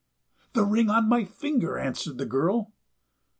"The ring on my finger," answered the girl.